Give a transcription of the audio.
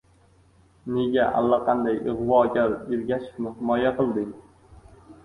Nega allaqanday ig‘vogar Ergashevni himoya qilding?